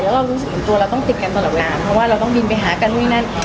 แล้วเรารู้สึกตัวเราต้องติดกันตลอดเวลาเพราะว่าเราต้องบินไปหากันนู่นนั่น